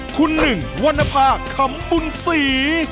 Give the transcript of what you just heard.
คุณหนึ่งวรรณภาพำบุญศรี